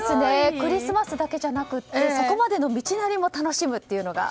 クリスマスだけじゃなくてそこまでの道のりも楽しむというのが。